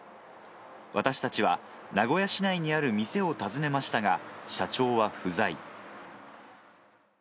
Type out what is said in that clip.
私たちは、名古屋市内にある店を訪ねましたが、社長は不在。